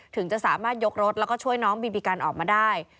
ถึงจะสามารถยกรถแล้วก็ช่วยน้องบีบีกันออกมาได้